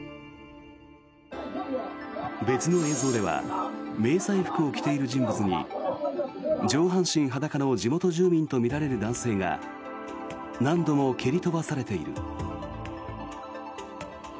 別の映像では迷彩服を着ている人物に上半身裸の地元住民とみられる男性が何度も蹴り飛ばされている。